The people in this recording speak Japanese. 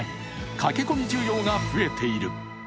駆け込み需要が増えている。